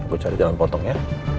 gua cari jalan potong ya